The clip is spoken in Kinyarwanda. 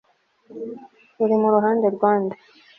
urimo uruhande rwa nde